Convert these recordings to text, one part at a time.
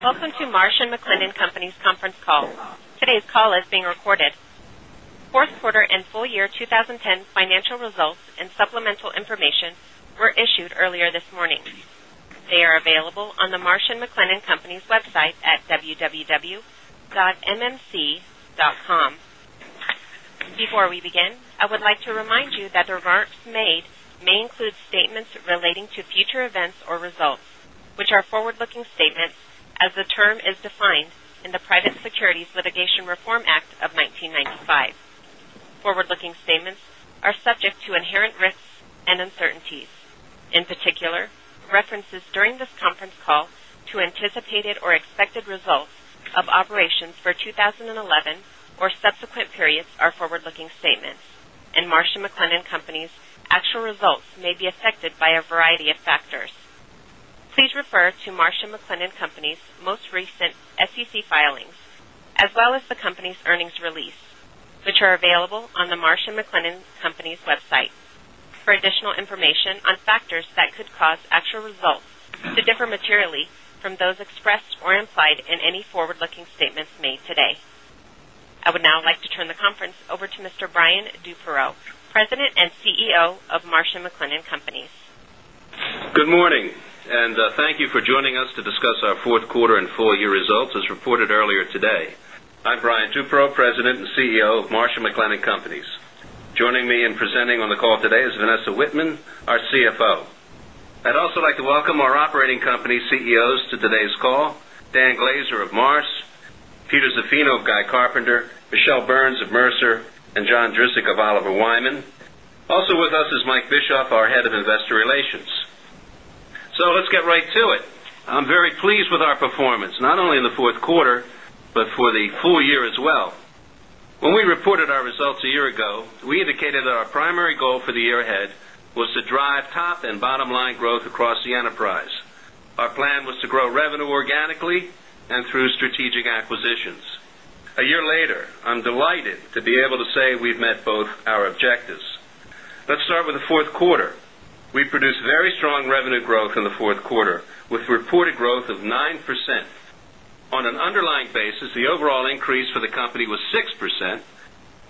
Welcome to Marsh & McLennan Companies conference call. Today's call is being recorded. Fourth quarter and full year 2010 financial results and supplemental information were issued earlier this morning. They are available on the Marsh & McLennan Companies' website at www.mmc.com. Before we begin, I would like to remind you that the remarks made may include statements relating to future events or results, which are forward-looking statements as the term is defined in the Private Securities Litigation Reform Act of 1995. Forward-looking statements are subject to inherent risks and uncertainties. In particular, references during this conference call to anticipated or expected results of operations for 2011 or subsequent periods are forward-looking statements, and Marsh & McLennan Companies actual results may be affected by a variety of factors. Please refer to Marsh & McLennan Companies most recent SEC filings, as well as the company's earnings release, which are available on the Marsh & McLennan Companies website for additional information on factors that could cause actual results to differ materially from those expressed or implied in any forward-looking statements made today. I would now like to turn the conference over to Mr. Brian Duperreault, President and CEO of Marsh & McLennan Companies. Good morning. Thank you for joining us to discuss our fourth quarter and full year results as reported earlier today. I'm Brian Duperreault, President and CEO of Marsh & McLennan Companies. Joining me in presenting on the call today is Vanessa Wittman, our CFO. I'd also like to welcome our operating company CEOs to today's call, Dan Glaser of Marsh, Peter Zaffino of Guy Carpenter, Michele Burns of Mercer, and John Drzik of Oliver Wyman. Also with us is Mike Bischoff, our Head of Investor Relations. Let's get right to it. I'm very pleased with our performance, not only in the fourth quarter, but for the full year as well. When we reported our results a year ago, we indicated that our primary goal for the year ahead was to drive top and bottom-line growth across the enterprise. Our plan was to grow revenue organically and through strategic acquisitions. A year later, I'm delighted to be able to say we've met both our objectives. Let's start with the fourth quarter. We produced very strong revenue growth in the fourth quarter with reported growth of 9%. On an underlying basis, the overall increase for the company was 6%,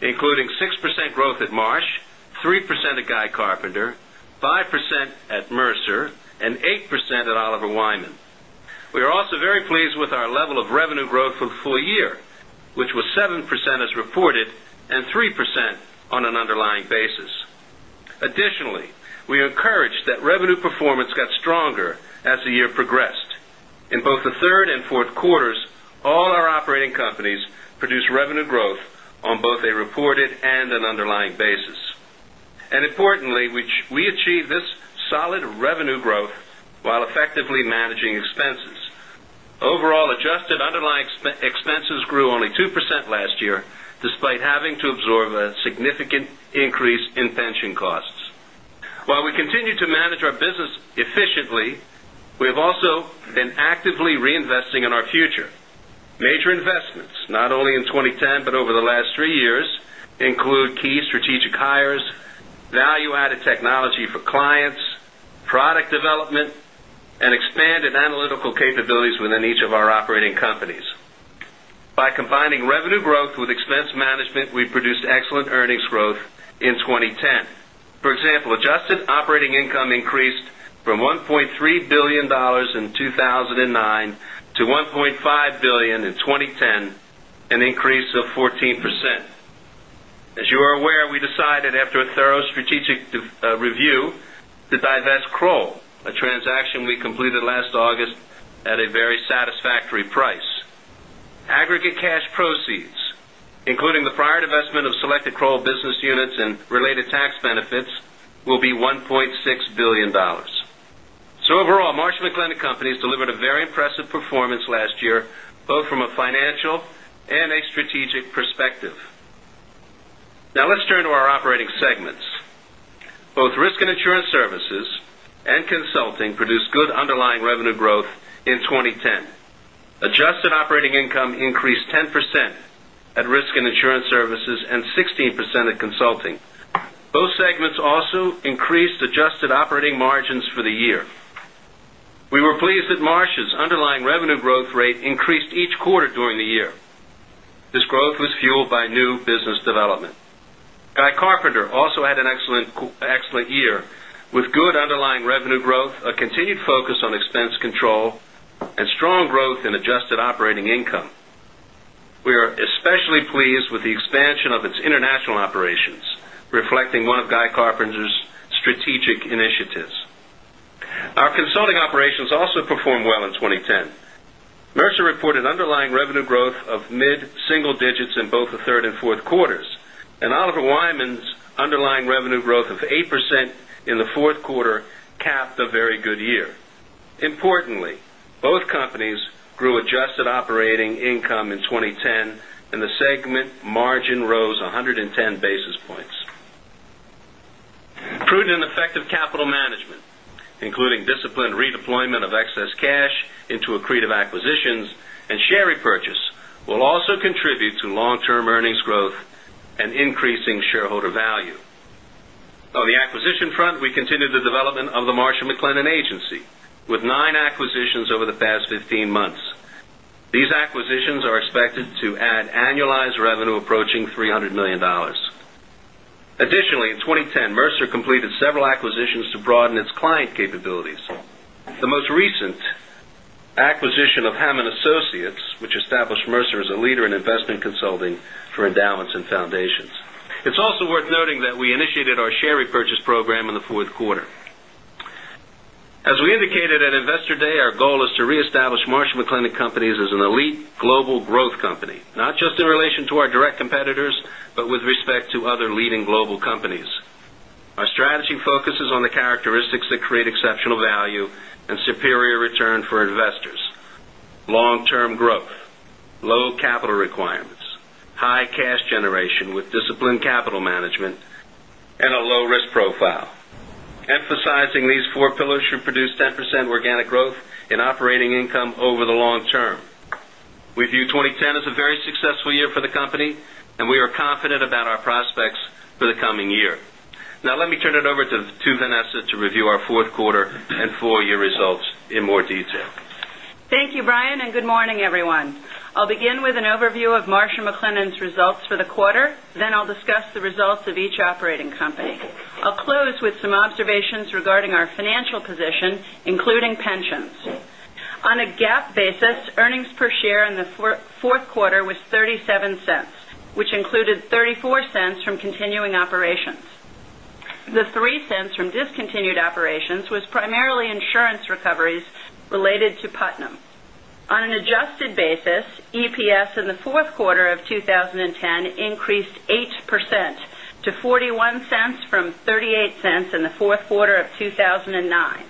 including 6% growth at Marsh, 3% at Guy Carpenter, 5% at Mercer, and 8% at Oliver Wyman. We are also very pleased with our level of revenue growth for the full year, which was 7% as reported and 3% on an underlying basis. Additionally, we are encouraged that revenue performance got stronger as the year progressed. In both the third and fourth quarters, all our operating companies produced revenue growth on both a reported and an underlying basis. Importantly, we achieved this solid revenue growth while effectively managing expenses. Overall adjusted underlying expenses grew only 2% last year, despite having to absorb a significant increase in pension costs. While we continue to manage our business efficiently, we have also been actively reinvesting in our future. Major investments, not only in 2010 but over the last three years, include key strategic hires, value-added technology for clients, product development, and expanded analytical capabilities within each of our operating companies. By combining revenue growth with expense management, we produced excellent earnings growth in 2010. For example, adjusted operating income increased from $1.3 billion in 2009 to $1.5 billion in 2010, an increase of 14%. As you are aware, we decided after a thorough strategic review to divest Kroll, a transaction we completed last August at a very satisfactory price. Aggregate cash proceeds, including the prior divestment of selected Kroll business units and related tax benefits, will be $1.6 billion. Overall, Marsh & McLennan Companies delivered a very impressive performance last year, both from a financial and a strategic perspective. Now let's turn to our operating segments. Both Risk and Insurance Services and Consulting produced good underlying revenue growth in 2010. Adjusted operating income increased 10% at Risk and Insurance Services and 16% at Consulting. Both segments also increased adjusted operating margins for the year. We were pleased that Marsh's underlying revenue growth rate increased each quarter during the year. This growth was fueled by new business development. Guy Carpenter also had an excellent year with good underlying revenue growth, a continued focus on expense control, and strong growth in adjusted operating income. We are especially pleased with the expansion of its international operations, reflecting one of Guy Carpenter's strategic initiatives. Our consulting operations also performed well in 2010. Mercer reported underlying revenue growth of mid-single digits in both the third and fourth quarters, and Oliver Wyman's underlying revenue growth of 8% in the fourth quarter capped a very good year. Importantly, both companies grew adjusted operating income in 2010, and the segment margin rose 110 basis points. Prudent and effective capital management, including disciplined redeployment of excess cash into accretive acquisitions and share repurchase, will also contribute to long-term earnings growth and increasing shareholder value. We continue the development of the Marsh & McLennan Agency with nine acquisitions over the past 15 months. These acquisitions are expected to add annualized revenue approaching $300 million. Additionally, in 2010, Mercer completed several acquisitions to broaden its client capabilities. The most recent acquisition of Hammond Associates, which established Mercer as a leader in investment consulting for endowments and foundations. It's also worth noting that we initiated our share repurchase program in the fourth quarter. As we indicated at Investor Day, our goal is to reestablish Marsh & McLennan Companies as an elite global growth company, not just in relation to our direct competitors, but with respect to other leading global companies. Our strategy focuses on the characteristics that create exceptional value and superior return for investors, long-term growth, low capital requirements, high cash generation with disciplined capital management, and a low-risk profile. Emphasizing these four pillars should produce 10% organic growth in operating income over the long term. We view 2010 as a very successful year for the company, and we are confident about our prospects for the coming year. Let me turn it over to Vanessa to review our fourth quarter and full-year results in more detail. Thank you, Brian, and good morning, everyone. I'll begin with an overview of Marsh & McLennan's results for the quarter. I'll discuss the results of each operating company. I'll close with some observations regarding our financial position, including pensions. On a GAAP basis, earnings per share in the fourth quarter was $0.37, which included $0.34 from continuing operations. The $0.03 from discontinued operations was primarily insurance recoveries related to Putnam. On an adjusted basis, EPS in the fourth quarter of 2010 increased 8% to $0.41 from $0.38 in the fourth quarter of 2009.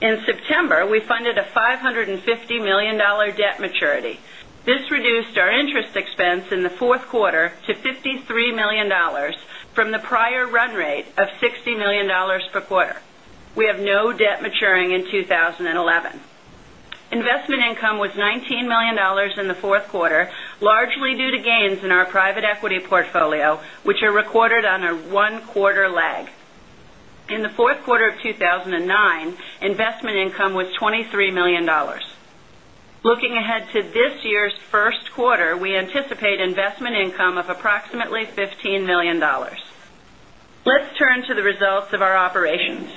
In September, we funded a $550 million debt maturity. This reduced our interest expense in the fourth quarter to $53 million from the prior run rate of $60 million per quarter. We have no debt maturing in 2011. Investment income was $19 million in the fourth quarter, largely due to gains in our private equity portfolio, which are recorded on a one-quarter lag. In the fourth quarter of 2009, investment income was $23 million. Looking ahead to this year's first quarter, we anticipate investment income of approximately $15 million. Let's turn to the results of our operations.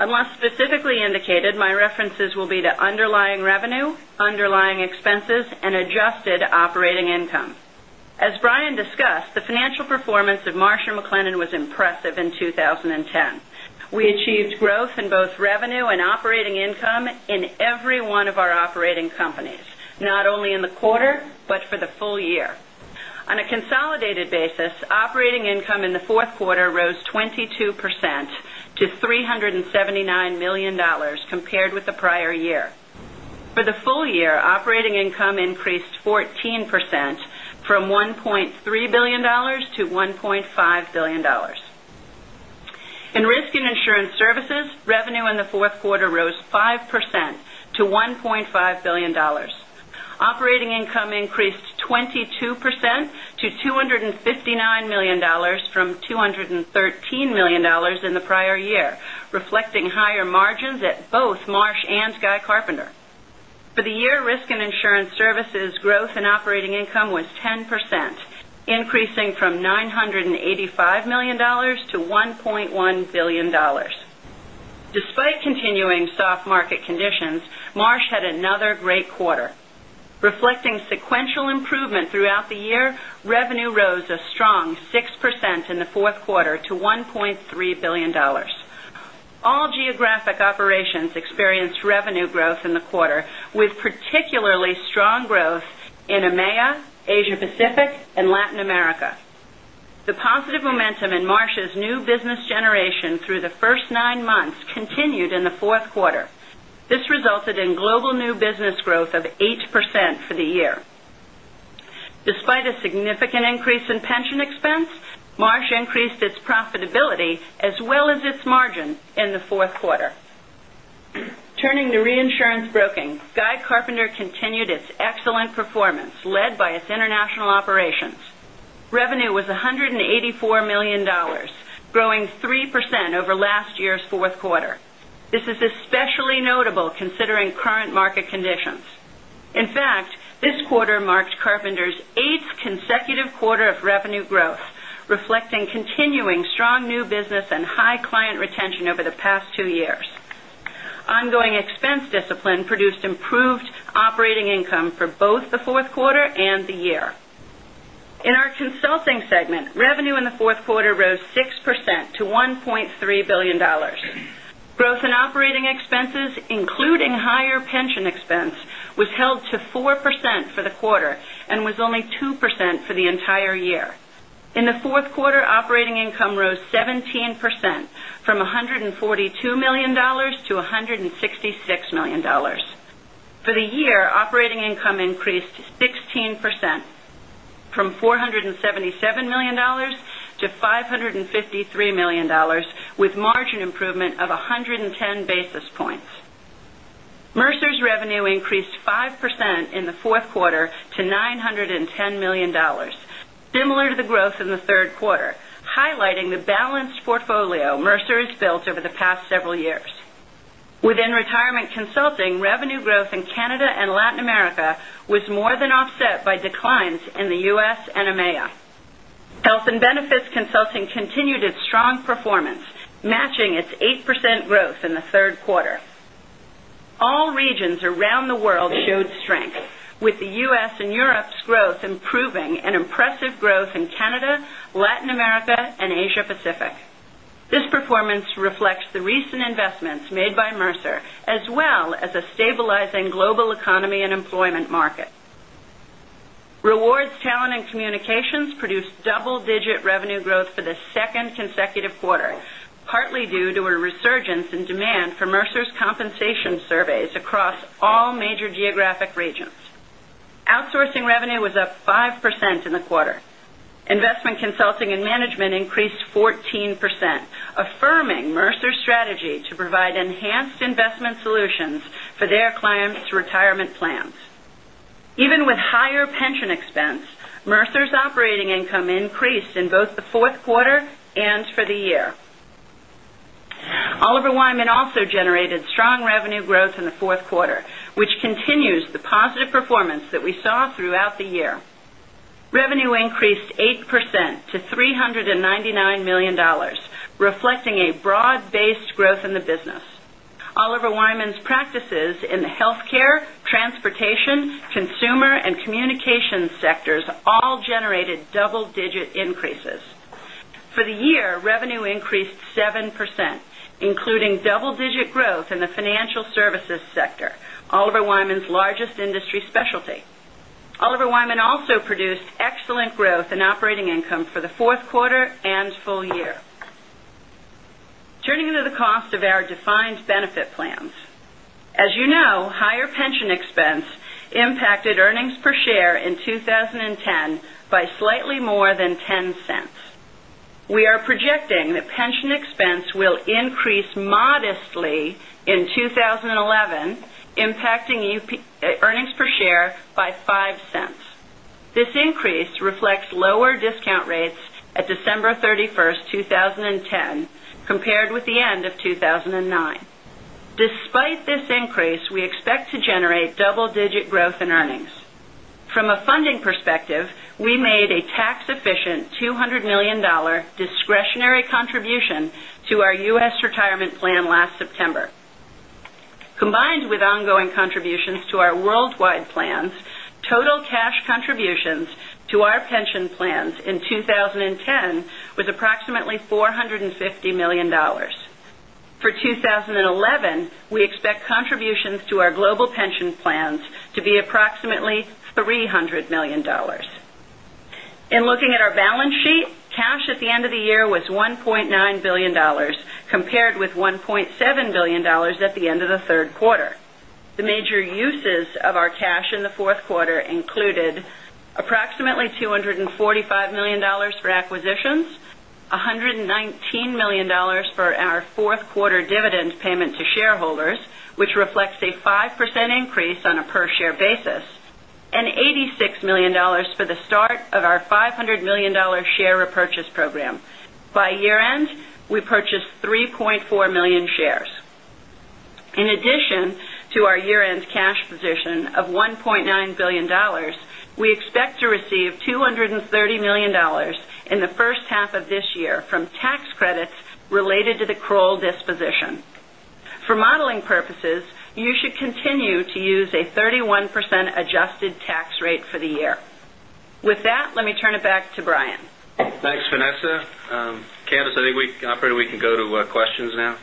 Unless specifically indicated, my references will be to underlying revenue, underlying expenses, and adjusted operating income. As Brian discussed, the financial performance of Marsh & McLennan was impressive in 2010. We achieved growth in both revenue and operating income in every one of our operating companies, not only in the quarter, but for the full year. On a consolidated basis, operating income in the fourth quarter rose 22% to $379 million compared with the prior year. For the full year, operating income increased 14%, from $1.3 billion to $1.5 billion. In Risk and Insurance Services, revenue in the fourth quarter rose 5% to $1.5 billion. Operating income increased 22% to $259 million from $213 million in the prior year, reflecting higher margins at both Marsh and Guy Carpenter. For the year, Risk and Insurance Services growth in operating income was 10%, increasing from $985 million to $1.1 billion. Despite continuing soft market conditions, Marsh had another great quarter. Reflecting sequential improvement throughout the year, revenue rose a strong 6% in the fourth quarter to $1.3 billion. All geographic operations experienced revenue growth in the quarter, with particularly strong growth in EMEA, Asia Pacific, and Latin America. The positive momentum in Marsh's new business generation through the first nine months continued in the fourth quarter. This resulted in global new business growth of 8% for the year. Despite a significant increase in pension expense, Marsh increased its profitability as well as its margin in the fourth quarter. Turning to reinsurance broking, Guy Carpenter continued its excellent performance led by its international operations. Revenue was $184 million, growing 3% over last year's fourth quarter. This is especially notable considering current market conditions. In fact, this quarter marked Carpenter's eighth consecutive quarter of revenue growth, reflecting continuing strong new business and high client retention over the past two years. Ongoing expense discipline produced improved operating income for both the fourth quarter and the year. In our consulting segment, revenue in the fourth quarter rose 6% to $1.3 billion. Growth in operating expenses, including higher pension expense, was held to 4% for the quarter and was only 2% for the entire year. In the fourth quarter, operating income rose 17%, from $142 million to $166 million. For the year, operating income increased 16%, from $477 million to $553 million, with margin improvement of 110 basis points. Mercer's revenue increased 5% in the fourth quarter to $910 million, similar to the growth in the third quarter, highlighting the balanced portfolio Mercer has built over the past several years. Within retirement consulting, revenue growth in Canada and Latin America was more than offset by declines in the U.S. and EMEA. Health and benefits consulting continued its strong performance, matching its 8% growth in the third quarter. All regions around the world showed strength, with the U.S. and Europe's growth improving and impressive growth in Canada, Latin America, and Asia Pacific. This performance reflects the recent investments made by Mercer, as well as a stabilizing global economy and employment market. Rewards, talent, and communications produced double-digit revenue growth for the second consecutive quarter, partly due to a resurgence in demand for Mercer's compensation surveys across all major geographic regions. Outsourcing revenue was up 5% in the quarter. Investment consulting and management increased 14%, affirming Mercer's strategy to provide enhanced investment solutions for their clients' retirement plans. Even with higher pension expense, Mercer's operating income increased in both the fourth quarter and for the year. Oliver Wyman also generated strong revenue growth in the fourth quarter, which continues the positive performance that we saw throughout the year. Revenue increased 8% to $399 million, reflecting a broad-based growth in the business. Oliver Wyman's practices in the healthcare, transportation, consumer, and communication sectors all generated double-digit increases. For the year, revenue increased 7%, including double-digit growth in the financial services sector, Oliver Wyman's largest industry specialty. Oliver Wyman also produced excellent growth in operating income for the fourth quarter and full year. Turning to the cost of our defined benefit plans. As you know, higher pension expense impacted earnings per share in 2010 by slightly more than $0.10. We are projecting that pension expense will increase modestly in 2011, impacting earnings per share by $0.05. This increase reflects lower discount rates at December 31st, 2010, compared with the end of 2009. Despite this increase, we expect to generate double-digit growth in earnings. From a funding perspective, we made a tax-efficient $200 million discretionary contribution to our U.S. retirement plan last September. Combined with ongoing contributions to our worldwide plans, total cash contributions to our pension plans in 2010 was approximately $450 million. For 2011, we expect contributions to our global pension plans to be approximately $300 million. In looking at our balance sheet, cash at the end of the year was $1.9 billion, compared with $1.7 billion at the end of the third quarter. The major uses of our cash in the fourth quarter included approximately $245 million for acquisitions, $119 million for our fourth quarter dividend payment to shareholders, which reflects a 5% increase on a per share basis, and $86 million for the start of our $500 million share repurchase program. By year-end, we purchased 3.4 million shares. In addition to our year-end cash position of $1.9 billion, we expect to receive $230 million in the first half of this year from tax credits related to the Kroll disposition. For modeling purposes, you should continue to use a 31% adjusted tax rate for the year. With that, let me turn it back to Brian. Thanks, Vanessa. Candice, I think we can go to questions now.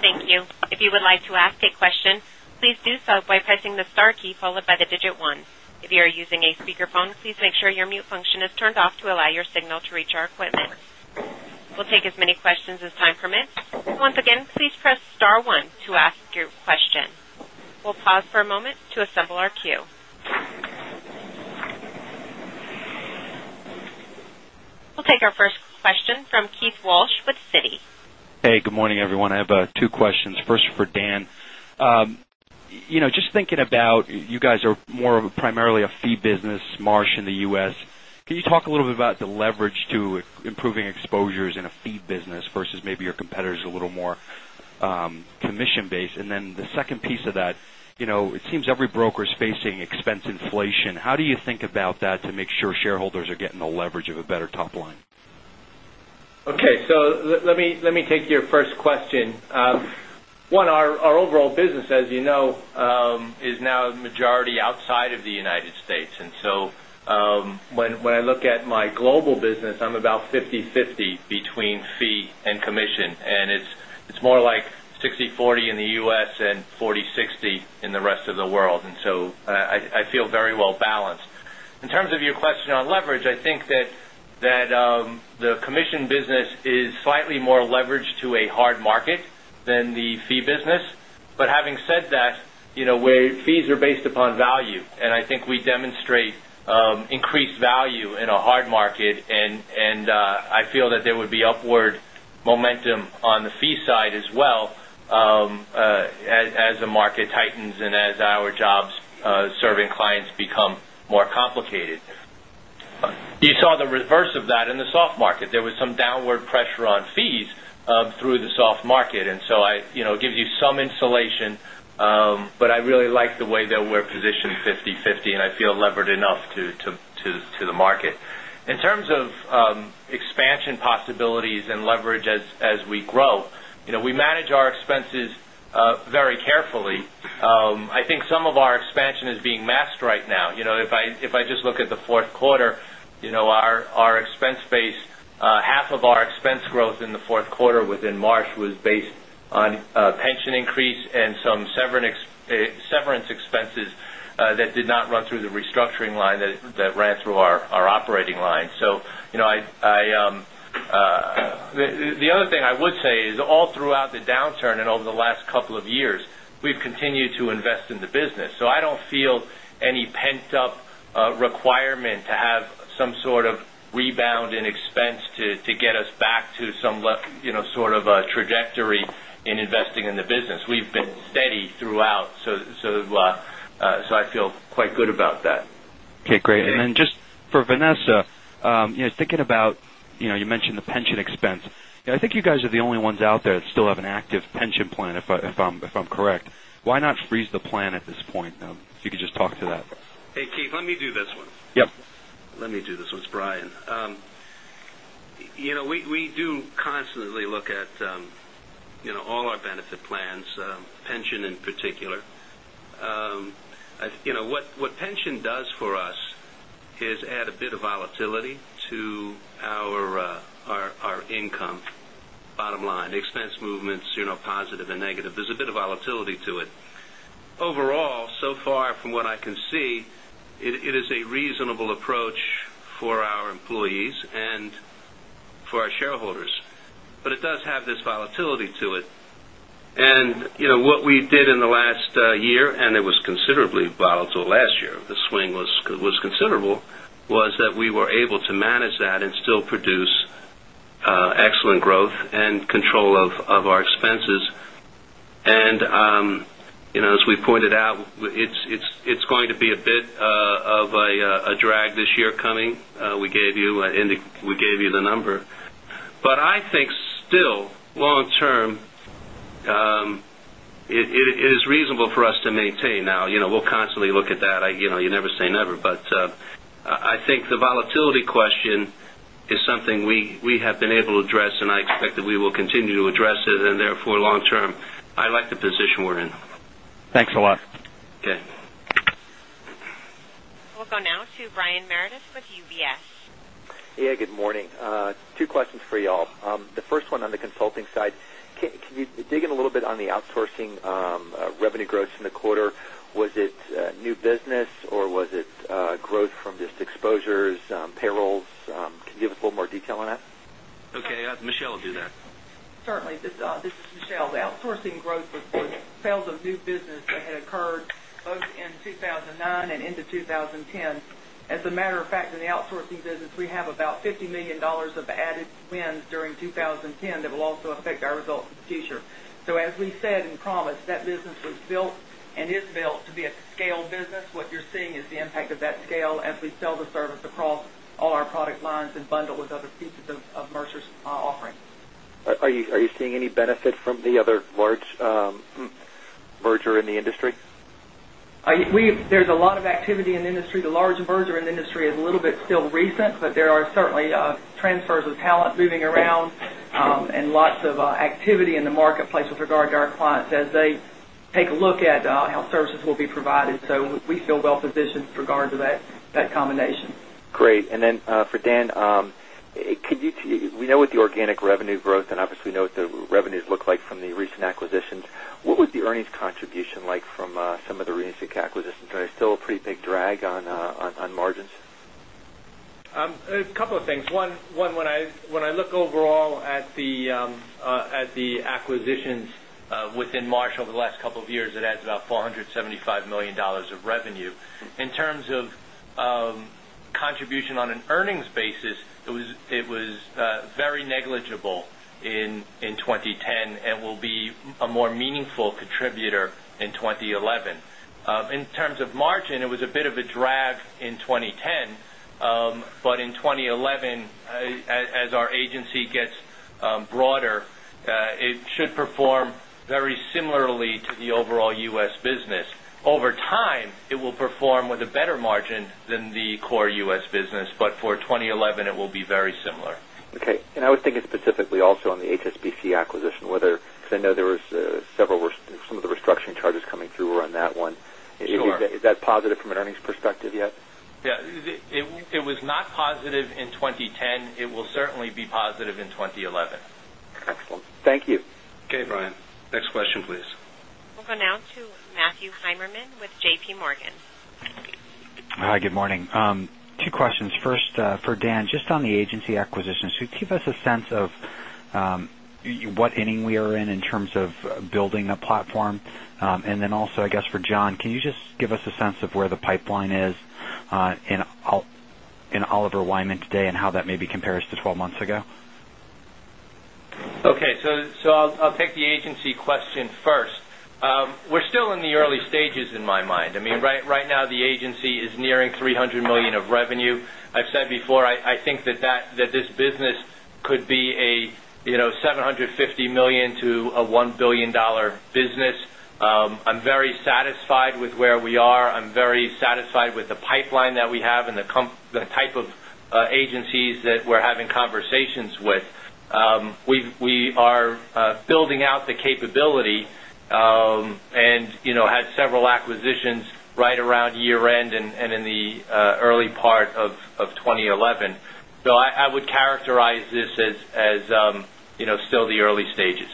Thank you. If you would like to ask a question, please do so by pressing the star key, followed by the digit one. If you are using a speakerphone, please make sure your mute function is turned off to allow your signal to reach our equipment. We will take as many questions as time permits. Once again, please press star one to ask your question. We will pause for a moment to assemble our queue. We will take our first question from Keith Walsh with Citi. Hey, good morning, everyone. I have two questions. First for Dan. Just thinking about you guys are more of primarily a fee business, Marsh in the U.S. Can you talk a little bit about the leverage to improving exposures in a fee business versus maybe your competitors a little more commission-based? Then the second piece of that, it seems every broker is facing expense inflation. What do you think about that to make sure shareholders are getting the leverage of a better top line? Okay. Let me take your first question. One, our overall business, as you know, is now majority outside of the United States. When I look at my global business, I am about 50/50 between fee and commission, and it is more like 60/40 in the U.S. and 40/60 in the rest of the world. I feel very well-balanced. In terms of your question on leverage, I think that the commission business is slightly more leveraged to a hard market than the fee business. Having said that, fees are based upon value, and I think we demonstrate increased value in a hard market, and I feel that there would be upward momentum on the fee side as well, as the market tightens and as our jobs serving clients become more complicated. You saw the reverse of that in the soft market. There was some downward pressure on fees through the soft market. It gives you some insulation, but I really like the way that we're positioned 50/50, and I feel levered enough to the market. In terms of expansion possibilities and leverage as we grow, we manage our expenses very carefully. I think some of our expansion is being masked right now. If I just look at the fourth quarter, half of our expense growth in the fourth quarter within Marsh was based on a pension increase and some severance expenses that did not run through the restructuring line, that ran through our operating line. The other thing I would say is all throughout the downturn and over the last couple of years, we've continued to invest in the business. I don't feel any pent-up requirement to have some sort of rebound in expense to get us back to some sort of a trajectory in investing in the business. We've been steady throughout, so I feel quite good about that. Okay, great. Just for Vanessa, thinking about, you mentioned the pension expense. I think you guys are the only ones out there that still have an active pension plan, if I'm correct. Why not freeze the plan at this point? If you could just talk to that. Hey, Keith, let me do this one. Yep. Let me do this one. It's Brian. We do constantly look at all our benefit plans, pension in particular. What pension does for us is add a bit of volatility to our income, bottom line. Expense movements, positive and negative. There's a bit of volatility to it. Overall, so far from what I can see, it is a reasonable approach for our employees and for our shareholders. It does have this volatility to it. What we did in the last year, and it was considerably volatile last year, the swing was considerable, was that we were able to manage that and still produce excellent growth and control of our expenses. As we pointed out, it's going to be a bit of a drag this year coming. We gave you the number. I think still, long term, it is reasonable for us to maintain now. We'll constantly look at that. You never say never, but I think the volatility question is something we have been able to address, and I expect that we will continue to address it, and therefore long term, I like the position we're in. Thanks a lot. Okay. We'll go now to Brian Meredith with UBS. Good morning. Two questions for y'all. The first one on the consulting side. Can you dig in a little bit on the outsourcing revenue growth in the quarter? Was it new business, or was it growth from just exposures, payrolls? Can you give us a little more detail on that? Michele will do that. Certainly. This is Michele. The outsourcing growth was sales of new business that had occurred both in 2009 and into 2010. As a matter of fact, in the outsourcing business, we have about $50 million of added wins during 2010 that will also affect our results in the future. As we said and promised, that business was built and is built to be a scale business. What you're seeing is the impact of that scale as we sell the service across all our product lines and bundle with other pieces of Mercer's offering. Are you seeing any benefit from the other large merger in the industry? There's a lot of activity in the industry. The large merger in the industry is a little bit still recent, but there are certainly transfers of talent moving around, and lots of activity in the marketplace with regard to our clients as they take a look at how services will be provided. We feel well-positioned with regard to that combination. Great. Then, for Dan, we know what the organic revenue growth and obviously know what the revenues look like from the recent acquisitions. What was the earnings contribution like from some of the recent acquisitions? Are they still a pretty big drag on margins? A couple of things. One, when I look overall at the acquisitions within Marsh over the last couple of years, it adds about $475 million of revenue. In terms of contribution on an earnings basis, it was very negligible in 2010 and will be a more meaningful contributor in 2011. In terms of margin, it was a bit of a drag in 2010. In 2011, as our agency gets broader, it should perform very similarly to the overall U.S. business. Over time, it will perform with a better margin than the core U.S. business, but for 2011, it will be very similar. Okay. I was thinking specifically also on the HSBC acquisition, whether, because I know there was some of the restructuring charges coming through on that one. Sure. Is that positive from an earnings perspective yet? Yeah. It was not positive in 2010. It will certainly be positive in 2011. Excellent. Thank you. Okay, Brian. Next question, please. We'll go now to Matthew Heimermann with J.P. Morgan. Hi, good morning. Two questions. First, for Dan, just on the agency acquisitions, could you give us a sense of what inning we are in terms of building a platform? Also, I guess for John, can you just give us a sense of where the pipeline is in Oliver Wyman today and how that maybe compares to 12 months ago? Okay. I'll take the agency question first. We're still in the early stages in my mind. Right now, the agency is nearing $300 million of revenue. I've said before, I think that this business could be a $750 million-$1 billion business. I'm very satisfied with where we are. I'm very satisfied with the pipeline that we have and the type of agencies that we're having conversations with. We are building out the capability, and had several acquisitions right around year-end and in the early part of 2011. I would characterize this as still the early stages.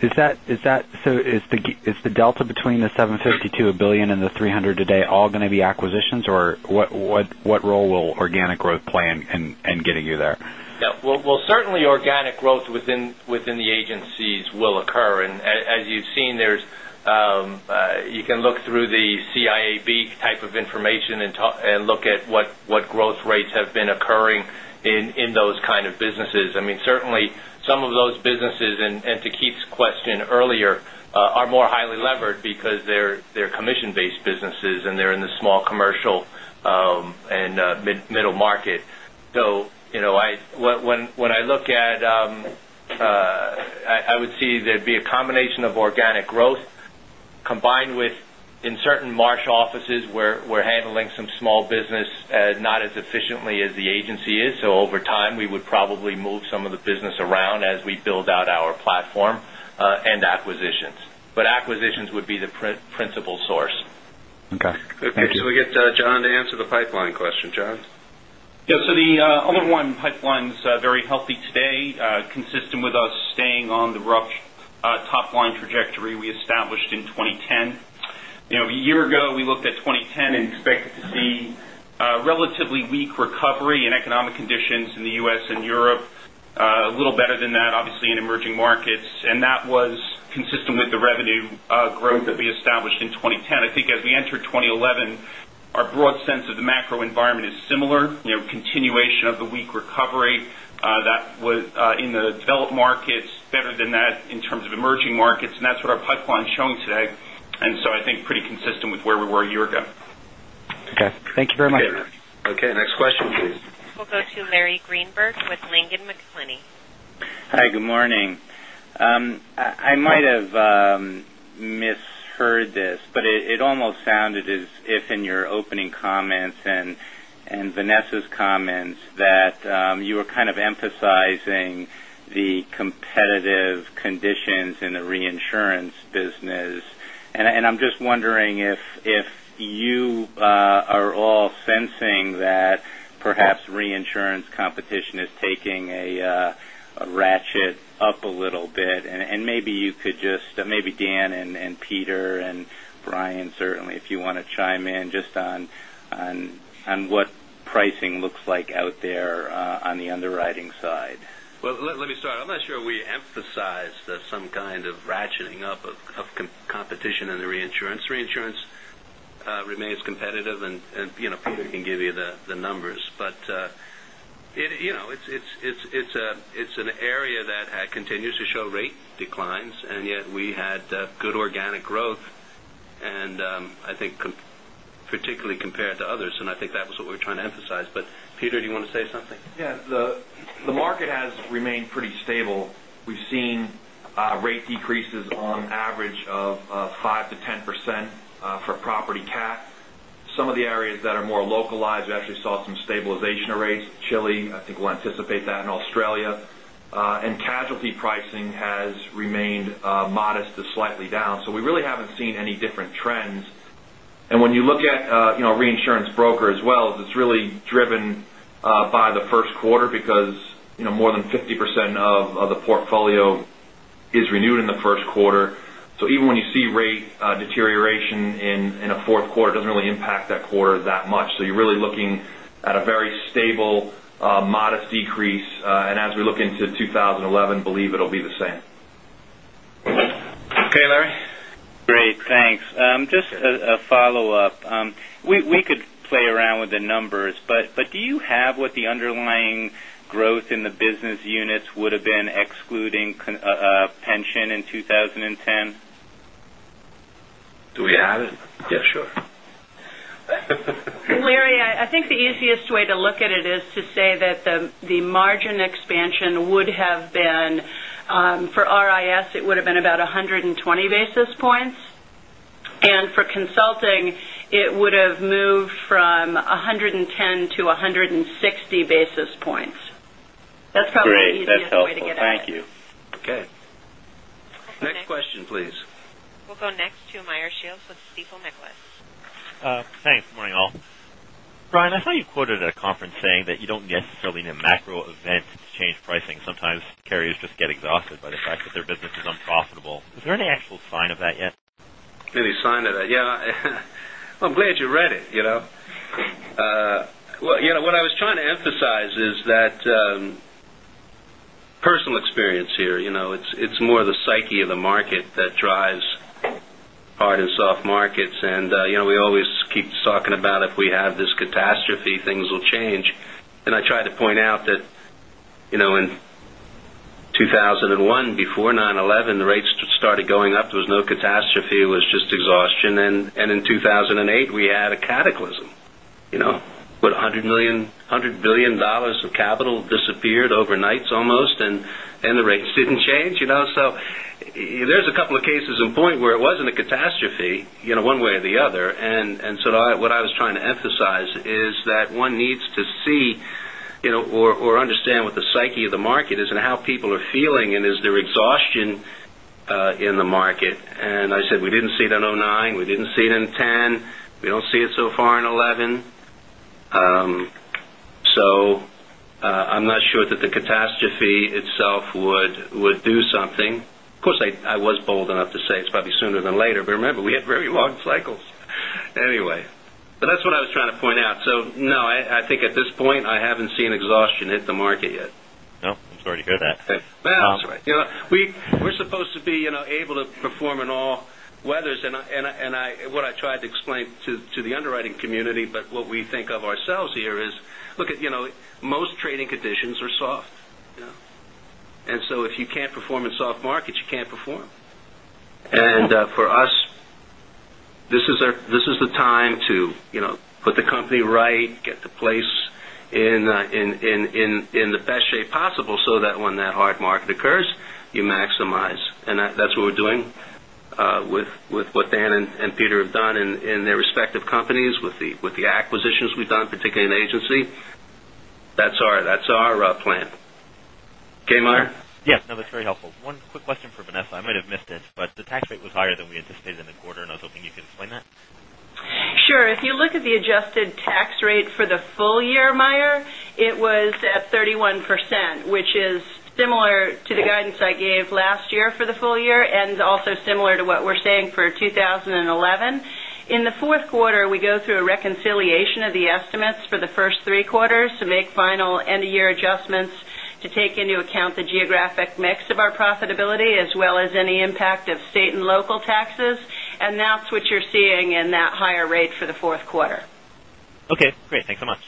Is the delta between the $750 million-$1 billion and the $300 million today all going to be acquisitions, or what role will organic growth play in getting you there? Well, certainly organic growth within the agencies will occur. As you've seen, you can look through the CIAB type of information and look at what growth rates have been occurring in those kind of businesses. Certainly, some of those businesses, and to Keith Walsh's question earlier, are more highly levered because they're commission-based businesses and they're in the small commercial and middle market. When I look at, I would see there'd be a combination of organic growth combined with, in certain Marsh offices, we're handling some small business not as efficiently as the agency is. Over time, we would probably move some of the business around as we build out our platform, and acquisitions. Acquisitions would be the principal source. Okay. Thank you. Okay. Should we get John Drzik to answer the pipeline question? John? The Oliver Wyman pipeline's very healthy today, consistent with us staying on the rough top-line trajectory we established in 2010. A year ago, we looked at 2010 and expected to see a relatively weak recovery in economic conditions in the U.S. and Europe. A little better than that, obviously, in emerging markets, and that was consistent with the revenue growth that we established in 2010. I think as we enter 2011, our broad sense of the macro environment is similar. Continuation of the weak recovery in the developed markets, better than that in terms of emerging markets, and that's what our pipeline's showing today. I think pretty consistent with where we were a year ago. Okay. Thank you very much. Okay. Next question, please. We'll go to Larry Greenberg with Langen McAlenney. Hi, good morning. I might have misheard this, but it almost sounded as if in your opening comments and Vanessa's comments that you were kind of emphasizing the competitive conditions in the reinsurance business. I'm just wondering if you are all sensing that perhaps reinsurance competition is taking a ratchet up a little bit, and maybe you could just, maybe Dan and Peter and Brian, certainly, if you want to chime in just on what pricing looks like out there on the underwriting side. Let me start. I'm not sure we emphasized some kind of ratcheting up of competition in the reinsurance. Reinsurance remains competitive, and Peter can give you the numbers. It's an area that continues to show rate declines, yet we had good organic growth, I think particularly compared to others, I think that was what we were trying to emphasize. Peter, do you want to say something? Yeah. The market has remained pretty stable. We've seen rate decreases on average of 5%-10% for property cat. Some of the areas that are more localized, we actually saw some stabilization of rates. Chile, I think we'll anticipate that in Australia. Casualty pricing has remained modest to slightly down. We really haven't seen any different trends. When you look at reinsurance broker as well, it's really driven by the first quarter because more than 50% of the portfolio is renewed in the first quarter. Even when you see rate deterioration in a fourth quarter, it doesn't really impact that quarter that much. You're really looking at a very stable, modest decrease. As we look into 2011, believe it'll be the same. Okay, Larry. Great, thanks. Just a follow-up. We could play around with the numbers, do you have what the underlying growth in the business units would've been excluding pension in 2010? Do we have it? Yeah, sure. Larry, I think the easiest way to look at it is to say that the margin expansion would have been, for RIS, it would've been about 120 basis points, and for consulting, it would've moved from 110 to 160 basis points. That's probably the easiest way to get at it. Great. That's helpful. Thank you. Okay. Next question, please. We'll go next to Meyer Shields with Stifel Nicolaus. Thanks. Good morning, all. Brian, I saw you quoted at a conference saying that you don't necessarily need a macro event to change pricing. Sometimes carriers just get exhausted by the fact that their business is unprofitable. Is there any actual sign of that yet? Any sign of that? Yeah. I'm glad you read it. The psyche of the market that drives hard and soft markets. We always keep talking about if we have this catastrophe, things will change. I tried to point out that in 2001, before 9/11, the rates started going up. There was no catastrophe. It was just exhaustion. In 2008, we had a cataclysm. What, $100 billion of capital disappeared overnight almost, and the rates didn't change. There's a couple of cases in point where it wasn't a catastrophe, one way or the other. What I was trying to emphasize is that one needs to see or understand what the psyche of the market is and how people are feeling, and is there exhaustion in the market. I said we didn't see it in 2009. We didn't see it in 2010. We don't see it so far in 2011. I'm not sure that the catastrophe itself would do something. Of course, I was bold enough to say it's probably sooner than later, remember, we had very long cycles. Anyway. That's what I was trying to point out. No, I think at this point, I haven't seen exhaustion hit the market yet. No, I'm sorry to hear that. That's all right. We're supposed to be able to perform in all weathers what I tried to explain to the underwriting community, what we think of ourselves here is, look, most trading conditions are soft. If you can't perform in soft markets, you can't perform. For us, this is the time to put the company right, get the place in the best shape possible, so that when that hard market occurs, you maximize. That's what we're doing with what Dan and Peter have done in their respective companies, with the acquisitions we've done, particularly in agency. That's our plan. Okay, Meyer? Yeah. No, that's very helpful. One quick question for Vanessa. I might have missed it, the tax rate was higher than we anticipated in the quarter, I was hoping you could explain that. Sure. If you look at the adjusted tax rate for the full year, Meyer, it was at 31%, which is similar to the guidance I gave last year for the full year, and also similar to what we're saying for 2011. In the fourth quarter, we go through a reconciliation of the estimates for the first three quarters to make final end-of-year adjustments to take into account the geographic mix of our profitability, as well as any impact of state and local taxes. That's what you're seeing in that higher rate for the fourth quarter. Okay, great. Thanks so much.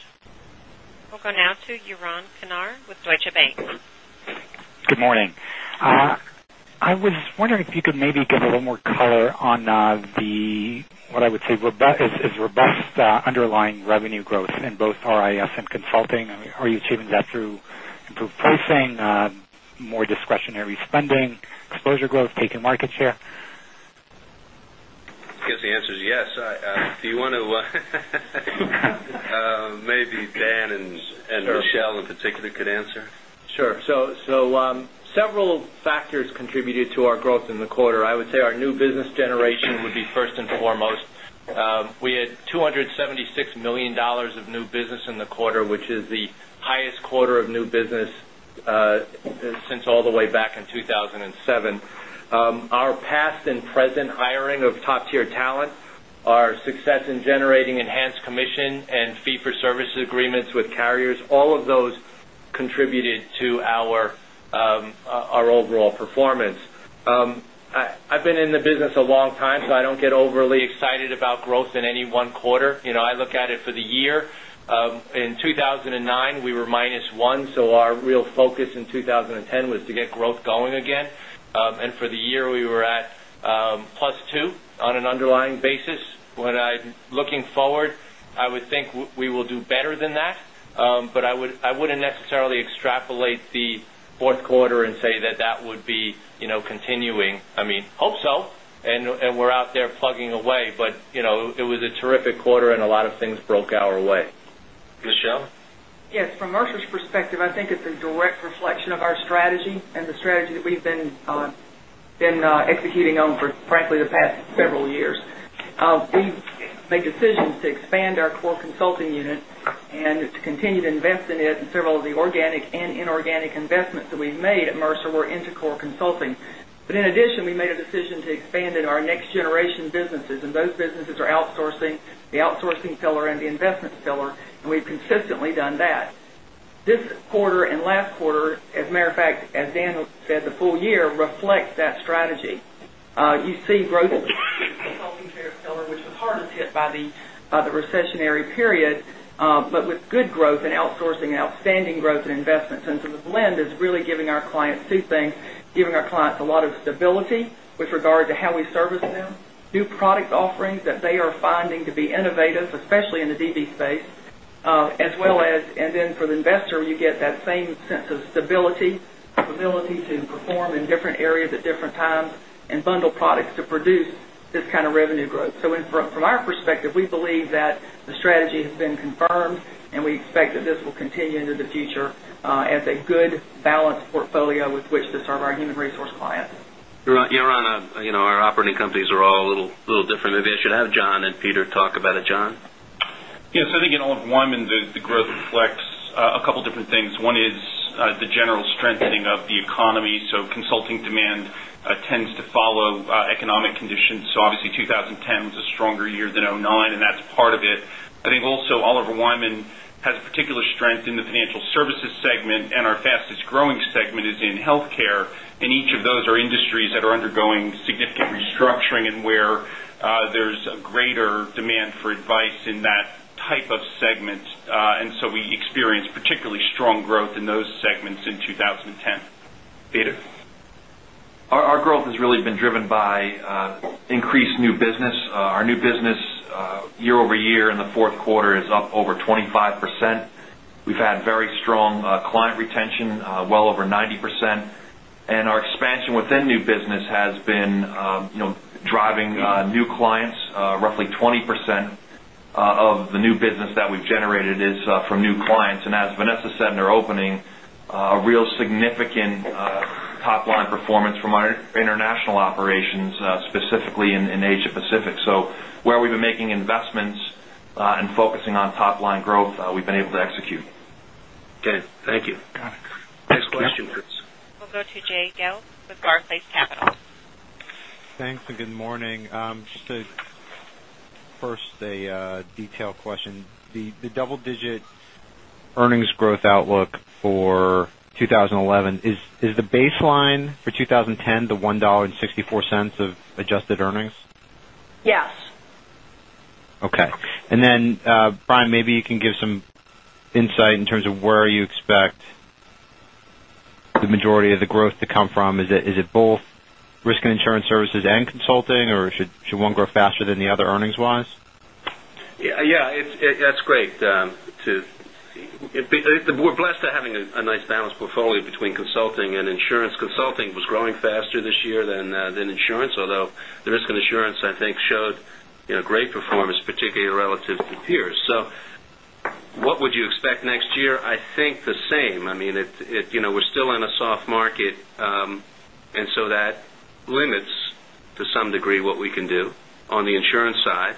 We'll go now to Yaron Kinar with Deutsche Bank. Good morning. I was wondering if you could maybe give a little more color on what I would say is robust underlying revenue growth in both RIS and consulting. Are you achieving that through improved pricing, more discretionary spending, exposure growth, taking market share? I guess the answer is yes. Maybe Dan and Michele in particular could answer. Sure. Several factors contributed to our growth in the quarter. I would say our new business generation would be first and foremost. We had $276 million of new business in the quarter, which is the highest quarter of new business since all the way back in 2007. Our past and present hiring of top-tier talent, our success in generating enhanced commission and fee for services agreements with carriers, all of those contributed to our overall performance. I've been in the business a long time, so I don't get overly excited about growth in any one quarter. I look at it for the year. In 2009, we were -1%, so our real focus in 2010 was to get growth going again. For the year, we were at +2% on an underlying basis. Looking forward, I would think we will do better than that. I wouldn't necessarily extrapolate the fourth quarter and say that would be continuing. I hope so, and we're out there plugging away. It was a terrific quarter, and a lot of things broke our way. Michele? Yes. From Mercer's perspective, I think it's a direct reflection of our strategy and the strategy that we've been executing on for, frankly, the past several years. We made decisions to expand our core consulting unit and to continue to invest in it, and several of the organic and inorganic investments that we've made at Mercer were into core consulting. In addition, we made a decision to expand in our next generation businesses, and those businesses are outsourcing, the outsourcing pillar, and the investment pillar, and we've consistently done that. This quarter and last quarter, as a matter of fact, as Dan said, the full year reflects that strategy. You see growth in the consulting care pillar, which was hardest hit by the recessionary period, but with good growth in outsourcing, outstanding growth in investments. The blend is really giving our clients two things, giving our clients a lot of stability with regard to how we service them, new product offerings that they are finding to be innovative, especially in the DB space. As well as, for the investor, you get that same sense of stability, ability to perform in different areas at different times, and bundle products to produce this kind of revenue growth. From our perspective, we believe that the strategy has been confirmed, and we expect that this will continue into the future as a good, balanced portfolio with which to serve our human resource clients. Yaron, our operating companies are all a little different. Maybe I should have John and Peter talk about it. John? Yes. I think at Oliver Wyman, the growth reflects a couple of different things. One is the general strengthening of the economy. Consulting demand tends to follow economic conditions. Obviously 2010 was a stronger year than 2009, and that's part of it. I think also Oliver Wyman has particular strength in the financial services segment, and our fastest-growing segment is in healthcare. Each of those are industries that are undergoing significant restructuring and where there's a greater demand for advice in that type of segment. We experienced particularly strong growth in those segments in 2010. Peter? Our growth has really been driven by increased new business. Our new business year-over-year in the fourth quarter is up over 25%. We've had very strong client retention, well over 90%. Our expansion within new business has been driving new clients. Roughly 20% of the new business that we've generated is from new clients. As Vanessa said in our opening, a real significant top-line performance from our international operations, specifically in Asia Pacific. Where we've been making investments and focusing on top-line growth, we've been able to execute. Okay, thank you. Got it. Next question, please. We'll go to Jay Gelb with Barclays Capital. Thanks, good morning. First, a detailed question. The double-digit earnings growth outlook for 2011, is the baseline for 2010 the $1.64 of adjusted earnings? Yes. Okay. Brian, maybe you can give some insight in terms of where you expect the majority of the growth to come from. Is it both Risk and Insurance Services and consulting, or should one grow faster than the other earnings-wise? Yeah, that's great. We're blessed to have a nice balanced portfolio between consulting and insurance. Consulting was growing faster this year than insurance, although the Risk and Insurance, I think, showed great performance, particularly relative to peers. What would you expect next year? I think the same. We're still in a soft market, that limits to some degree what we can do on the insurance side.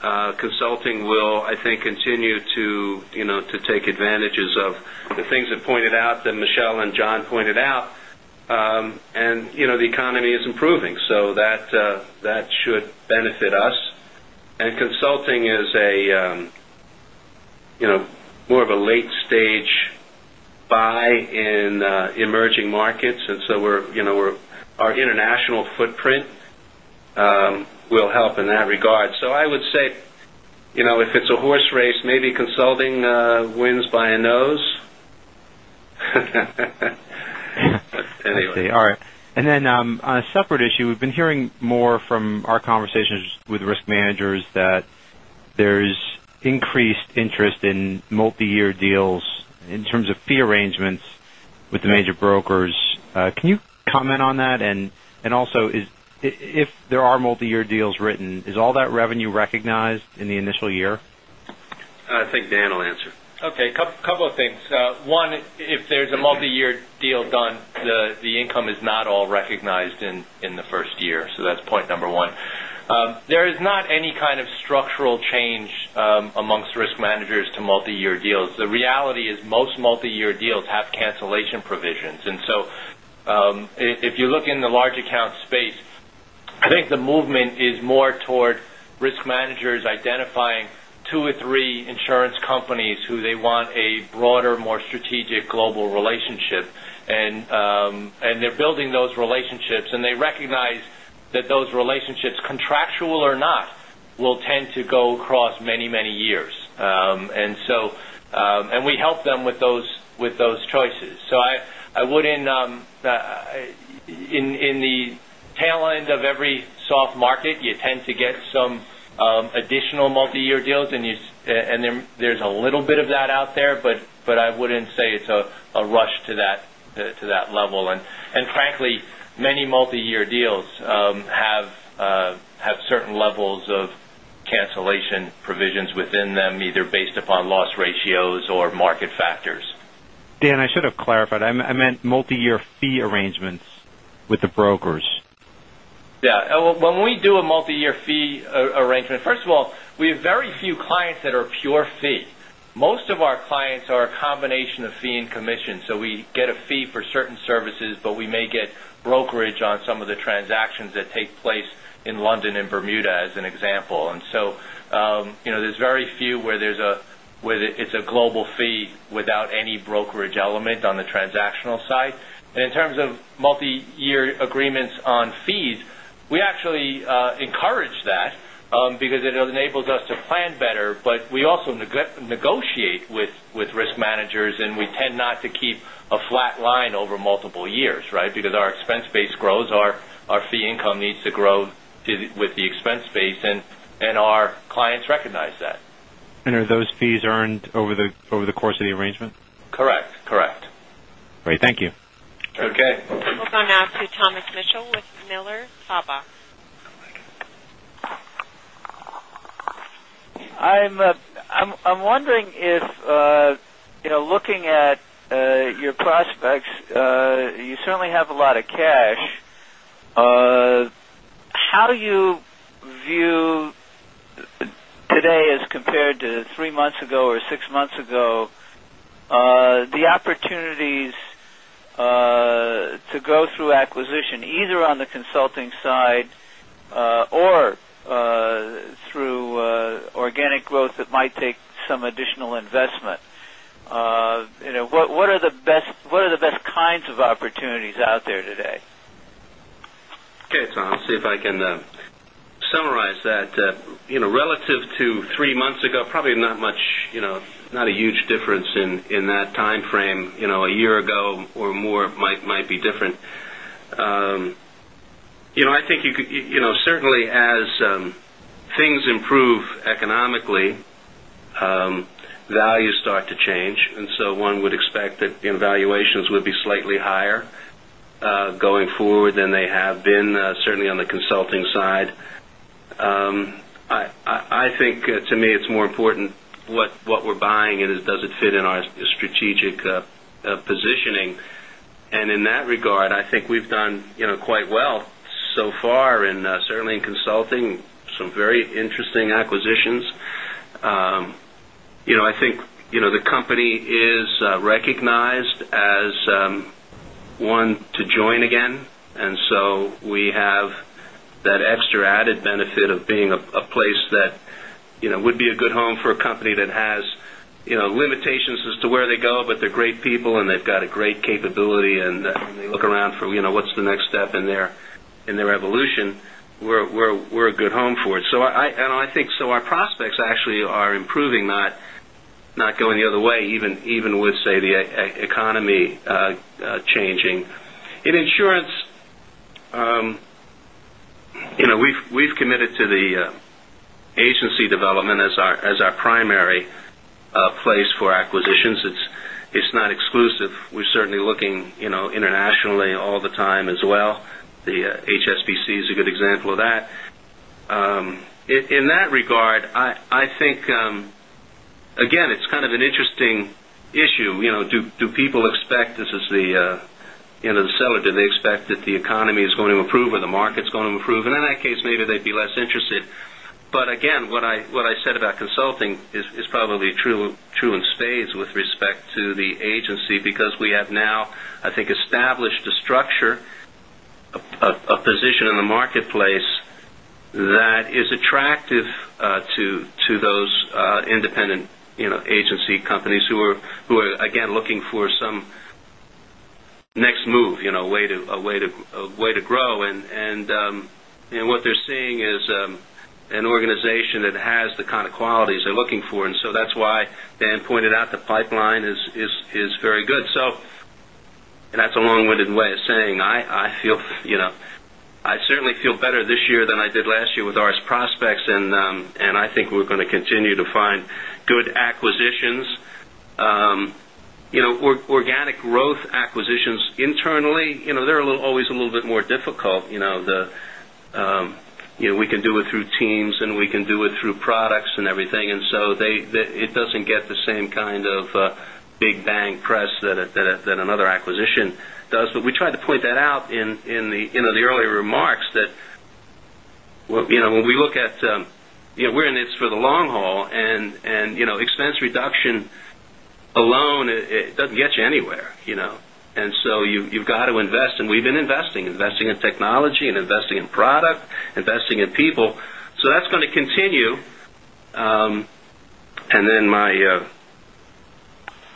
Consulting will, I think, continue to take advantages of the things that Michele and John pointed out. The economy is improving, that should benefit us. Consulting is more of a late-stage buy in emerging markets, our international footprint will help in that regard. I would say, if it's a horse race, maybe consulting wins by a nose. Anyway. I see. All right. On a separate issue, we've been hearing more from our conversations with risk managers that there's increased interest in multi-year deals in terms of fee arrangements with the major brokers. Can you comment on that? Also, if there are multi-year deals written, is all that revenue recognized in the initial year? I think Dan will answer. Okay. Couple of things. One, if there's a multi-year deal done, the income is not all recognized in the first year. That's point number one. There is not any kind of structural change amongst risk managers to multi-year deals. The reality is most multi-year deals have cancellation provisions. So, if you look in the large account space, I think the movement is more toward risk managers identifying two or three insurance companies who they want a broader, more strategic global relationship. They're building those relationships, and they recognize that those relationships, contractual or not, will tend to go across many, many years. We help them with those choices. In the tail end of every soft market, you tend to get some additional multi-year deals, and there's a little bit of that out there, but I wouldn't say it's a rush to that level. Frankly, many multi-year deals have certain levels of cancellation provisions within them, either based upon loss ratios or market factors. Dan, I should have clarified. I meant multi-year fee arrangements with the brokers. Yeah. When we do a multi-year fee arrangement, first of all, we have very few clients that are pure fee. Most of our clients are a combination of fee and commission. We get a fee for certain services, but we may get brokerage on some of the transactions that take place in London and Bermuda, as an example. There's very few where it's a global fee without any brokerage element on the transactional side. In terms of multi-year agreements on fees, we actually encourage that because it enables us to plan better, but we also negotiate with risk managers, and we tend not to keep a flat line over multiple years, right? Because our expense base grows, our fee income needs to grow with the expense base, and our clients recognize that. Are those fees earned over the course of the arrangement? Correct. Great. Thank you. Okay. We'll go now to Thomas Mitchell with Miller Tabak. I'm wondering if, looking at your prospects, you certainly have a lot of cash. How do you view today as compared to three months ago or six months ago to go through acquisition, either on the consulting side or through organic growth that might take some additional investment? What are the best kinds of opportunities out there today? Okay, Tom, I'll see if I can summarize that. Relative to three months ago, probably not a huge difference in that timeframe. A year ago or more might be different. I think certainly as things improve economically, values start to change, and so one would expect that valuations would be slightly higher going forward than they have been, certainly on the consulting side. I think to me, it's more important what we're buying, and does it fit in our strategic positioning. In that regard, I think we've done quite well so far, certainly in consulting, some very interesting acquisitions. I think the company is recognized as one to join again, and so we have that extra added benefit of being a place that would be a good home for a company that has limitations as to where they go, but they're great people, and they've got a great capability, and when they look around for what's the next step in their evolution, we're a good home for it. I think our prospects actually are improving, not going the other way, even with the economy changing. In insurance, we've committed to the agency development as our primary place for acquisitions. It's not exclusive. We're certainly looking internationally all the time as well. The HSBC is a good example of that. In that regard, I think, again, it's kind of an interesting issue. Do people expect this as the seller? Do they expect that the economy is going to improve or the market's going to improve? In that case, maybe they'd be less interested. Again, what I said about consulting is probably true in spades with respect to the agency, because we have now, I think, established a structure, a position in the marketplace that is attractive to those independent agency companies who are, again, looking for some next move, a way to grow. What they're seeing is an organization that has the kind of qualities they're looking for. That's why Dan pointed out the pipeline is very good. That's a long-winded way of saying I certainly feel better this year than I did last year with our prospects, and I think we're going to continue to find good acquisitions. Organic growth acquisitions internally, they're always a little bit more difficult. We can do it through teams, we can do it through products and everything, it doesn't get the same kind of big bang press that another acquisition does. We tried to point that out in the earlier remarks that when we look at, we're in this for the long haul, expense reduction alone, it doesn't get you anywhere. You've got to invest, we've been investing. Investing in technology and investing in product, investing in people. That's going to continue.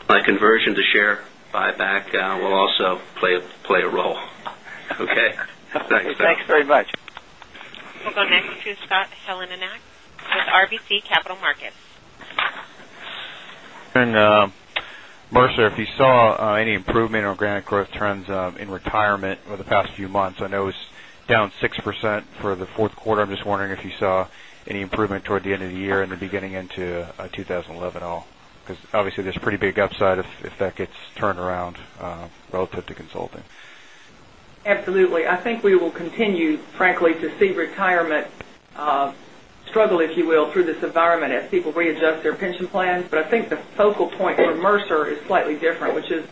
My conversion to share buyback will also play a role. Okay? Thanks. Thanks very much. We'll go next to Scott Heleniak with RBC Capital Markets. Mercer, if you saw any improvement on organic growth trends in retirement over the past few months, I know it was down 6% for the fourth quarter. I'm just wondering if you saw any improvement toward the end of the year and the beginning into 2011 at all. Obviously, there's a pretty big upside if that gets turned around relative to consulting. Absolutely. I think we will continue, frankly, to see retirement struggle, if you will, through this environment as people readjust their pension plans. I think the focal point for Mercer is slightly different, which is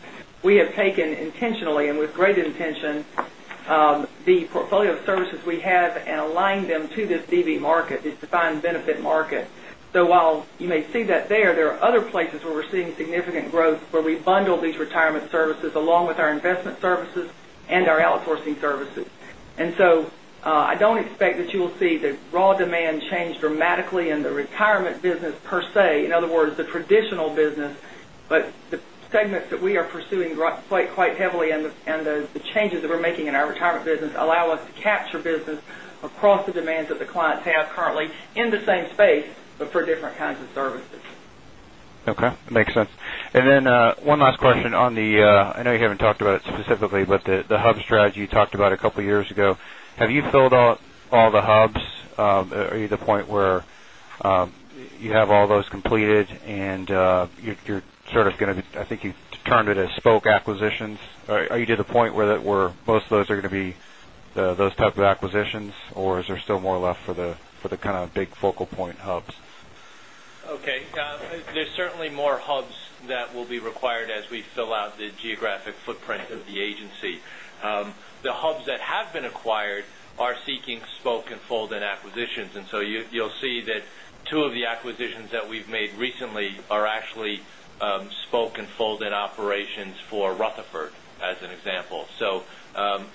we have taken intentionally, and with great intention, the portfolio of services we have and aligned them to this DB market, this defined benefit market. While you may see that there are other places where we're seeing significant growth where we bundle these retirement services along with our investment services and our outsourcing services. I don't expect that you will see the raw demand change dramatically in the retirement business per se, in other words, the traditional business. The segments that we are pursuing quite heavily and the changes that we're making in our retirement business allow us to capture business across the demands that the clients have currently in the same space, but for different kinds of services. Okay. Makes sense. One last question. I know you haven't talked about it specifically, but the hub strategy you talked about a couple of years ago, have you filled out all the hubs? Are you at the point where you have all those completed, and you're sort of going to, I think you termed it as spoke acquisitions. Are you to the point where most of those are going to be those type of acquisitions, or is there still more left for the kind of big focal point hubs? Okay. There's certainly more hubs that will be required as we fill out the geographic footprint of the agency. The hubs that have been acquired are seeking spoke and fold-in acquisitions. You'll see that two of the acquisitions that we've made recently are actually spoke and fold-in operations for Rutherfoord, as an example.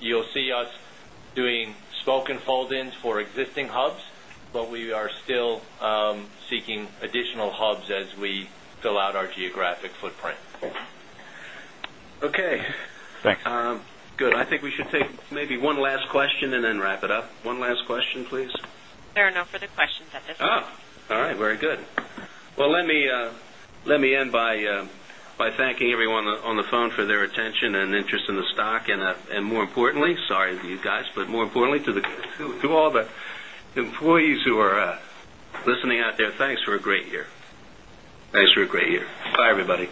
You'll see us doing spoke and fold-ins for existing hubs, but we are still seeking additional hubs as we fill out our geographic footprint. Okay. Thanks. Good. I think we should take maybe one last question and then wrap it up. One last question, please. There are no further questions at this time. All right. Very good. Well, let me end by thanking everyone on the phone for their attention and interest in the stock, and more importantly, sorry to you guys, but more importantly, to all the employees who are listening out there, thanks for a great year. Thanks for a great year. Bye, everybody.